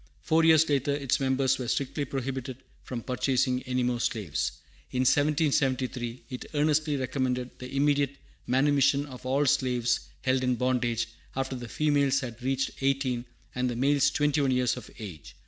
Four years after, its members were strictly prohibited from purchasing any more slaves. In 1773 it earnestly recommended the immediate manumission of all slaves held in bondage, after the females had reached eighteen and the males twenty one years of age.